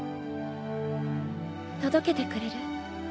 届けてくれる？